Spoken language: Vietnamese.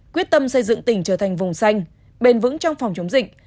quyết tâm xây dựng tỉnh trở thành vùng xanh bền vững trong phòng chống dịch